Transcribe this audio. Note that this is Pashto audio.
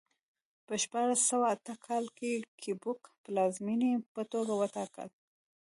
په شپاړس سوه اته کال کې کیوبک پلازمېنې په توګه وټاکله.